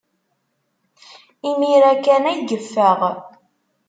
Imir-a kan ay yeffeɣ.